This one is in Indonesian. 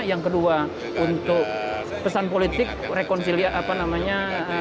yang kedua untuk pesan politik rekonsiliasi apa namanya